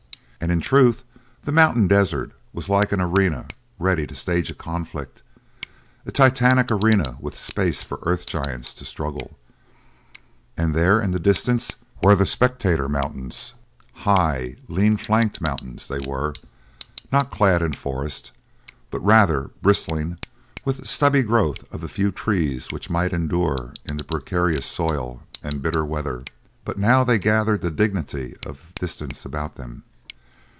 And in truth the mountain desert was like an arena ready to stage a conflict a titanic arena with space for earth giants to struggle and there in the distance were the spectator mountains. High, lean flanked mountains they were, not clad in forests, but rather bristling with a stubby growth of the few trees which might endure in precarious soil and bitter weather, but now they gathered the dignity of distance about them.